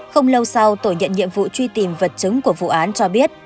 không lâu sau tổ nhận nhiệm vụ truy tìm vật chứng của vụ án cho biết